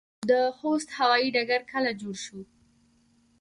د خوست هوايي ډګر کله جوړ شو؟